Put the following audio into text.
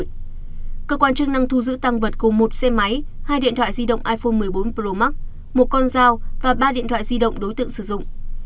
cơ quan chức năng thu giữ tăng vật gồm một xe máy hai điện thoại di động iphone một mươi bốn pro max một con dao và ba điện thoại di động đối tượng sử dụng